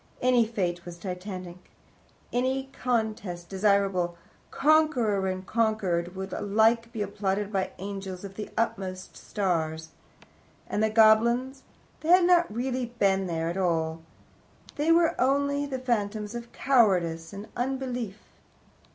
Any fate was titanic; any contest desirable; conqueror and conquered would alike be applauded by the angels of the utmost stars. And the goblins they had not really been there at all? They were only the phantoms of cowardice and unbelief?